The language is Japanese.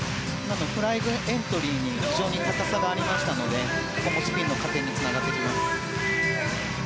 フライングエントリーに非常に高さがありましたのでここもスピンの加点につながってきます。